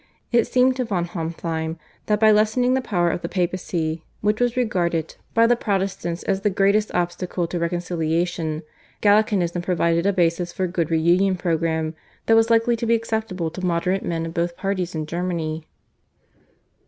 It seemed to von Hontheim that by lessening the power of the Papacy, which was regarded by the Protestants as the greatest obstacle to reconciliation, Gallicanism provided the basis for a good reunion programme, that was likely to be acceptable to moderate men of both parties in Germany.